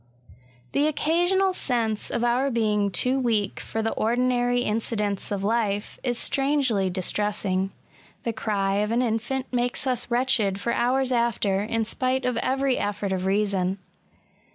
The occasional sense of our being too weak for the ordinary incidents of life, is strangely dis« tressing. The cry of an in&nt makes us wretched for hours after, in spite of every effort of reason.